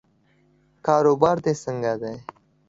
کاروبار دې څنګه دی؟